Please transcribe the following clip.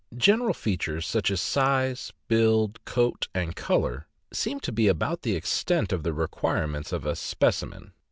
General features, such as size, build, coat, and color, seem to be about the extent of the requirements of a " spec imen."